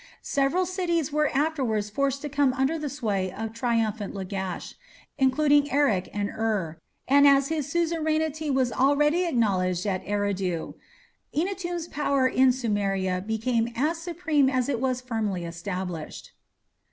Several cities were afterwards forced to come under the sway of triumphant Lagash, including Erech and Ur, and as his suzerainty was already acknowledged at Eridu, Eannatum's power in Sumeria became as supreme as it was firmly established.